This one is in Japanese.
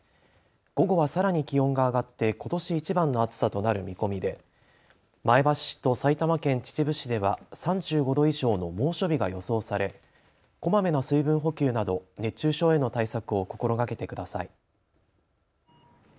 午後はさらに気温が上がってことしいちばんの暑さとなる見込みで前橋市と埼玉県秩父市では３５度以上の猛暑日が予想されこまめな水分補給など熱中症への対策を心がけてください。